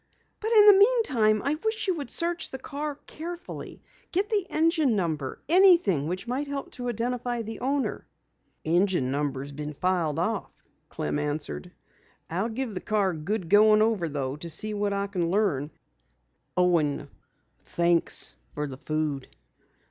But in the meantime, I wish you would search the car carefully. Get the engine number anything which might help to identify the owner." "The engine number has been filed off," Clem answered. "I'll give the car a good going over though to see what I can learn. Thanks for the food."